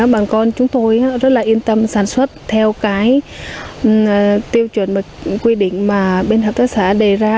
bà con chúng tôi rất là yên tâm sản xuất theo cái tiêu chuẩn quy định mà bên hợp tác xã đề ra